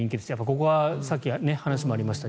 ここはさっき話もありました